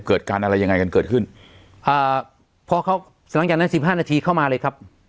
เกิดการอะไรยังไงกันเกิดขึ้นอ่าพอเขาหลังจากนั้นสิบห้านาทีเข้ามาเลยครับ